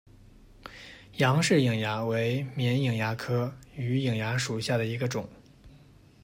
杨氏瘿蚜为绵瘿蚜科榆瘿蚜属下的一个种。